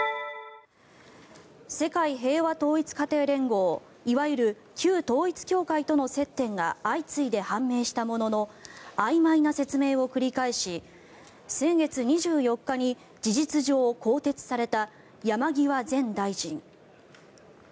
世界平和統一家庭連合いわゆる旧統一教会との接点が相次いで判明したもののあいまいな説明を繰り返し先月２４日に事実上更迭された山際前大臣。